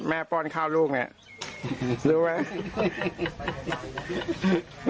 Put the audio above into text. ป้อนข้าวลูกเนี่ยรู้ไหม